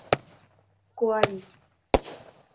Coari